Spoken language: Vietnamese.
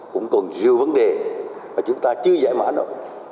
cũng còn nhiều vấn đề mà chúng ta chưa giải mã nổi